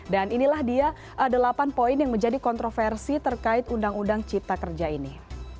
dan inilah dia delapan poin yang menjadi kontroversi terkait undang undang cita kerja ini